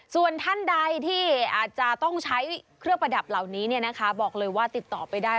ส่วนท่านใดที่อาจจะต้องใช้เครื่องประดับเหล่านี้บอกเลยว่าติดต่อไปได้